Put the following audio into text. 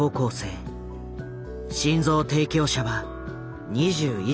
心臓提供者は２１歳の青年。